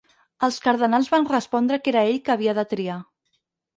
Els cardenals van respondre que era ell que havia de triar.